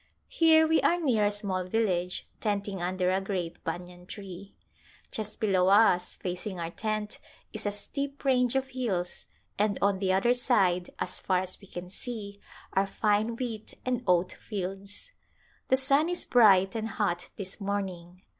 Here we are near a small village, tenting under a great banyan tree. Just below us, facing our tent is a steep range of hills, and on the other side as far as we can see are fine wheat and oat fields. The sun is bright and hot this morning.